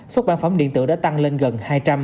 xuất bản phẩm điện tử đã tăng lên gần hai trăm linh